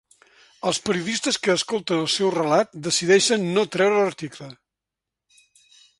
Els periodistes que escolten el seu relat decideixen no treure l'article.